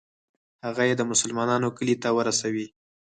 هغه یې د مسلمانانو کلي ته ورسوي.